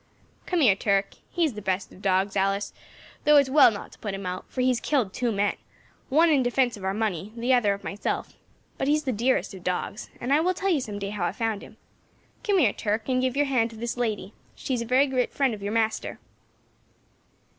"Come here, Turk. He is the best of dogs, Alice, though it is well not to put him out, for he has killed two men, one in defence of our money, the other of myself; but he is the dearest of dogs, and I will tell you some day how I found him. Come here, Turk, and give your hand to this lady, she is a very great friend of your master."